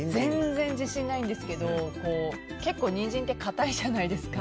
全然、自信ないんですが結構、ニンジンってかたいじゃないですか。